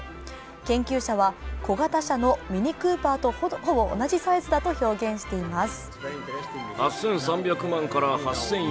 研究者は、小型車のミニクーパーとほぼ同じサイズだと表現しています。